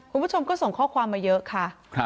คุณผู้ชมก็ส่งข้อความมาเยอะค่ะ